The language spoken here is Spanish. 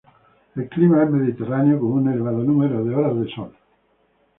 El clima es mediterráneo, con un elevado número de horas de sol.